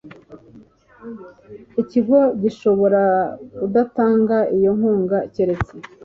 ikigo gishobora kudatanga iyo nkunga keretse